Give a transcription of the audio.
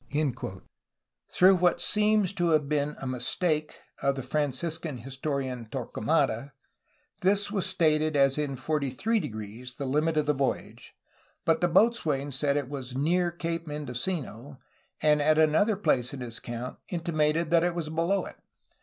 '* Through what seems to have been a mistake of the Fran ciscan historian Torquemada, this was stated as in 43"*, the limit of the voyage, but the boatswain said it was "near Cape Mendocino,'* and at another place in his account intimated that it was below it.